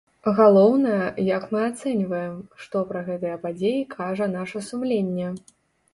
Галоўнае, як мы ацэньваем, што пра гэтыя падзеі кажа наша сумленне.